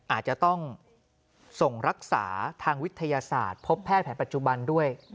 อาจจะต้องส่งรักษาทางวิทยาศาสตร์พบแพทย์แผนปัจจุบันด้วย